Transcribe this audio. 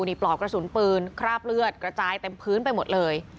นี่ปลอกกระสุนปืนคราบเลือดกระจายเต็มพื้นไปหมดเลย